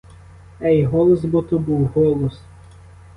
Ей, голос бо то був, голос!